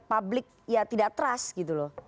publik ya tidak trust gitu loh